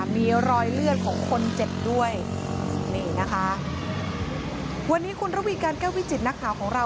มีรอยเลือดของคนเจ็บด้วยนี่นะคะวันนี้คุณระวีการแก้ววิจิตนักข่าวของเรา